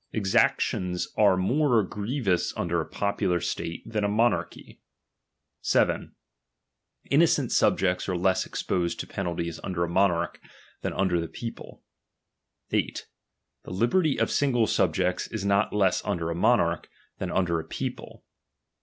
Exactions are more grievous under a popular state, than a monarchy. 7. Innocent subjects are leas exposed to penalties under a monarch, than under the people. 8. The liberty of single subjects is not less under a monarch, than under a people.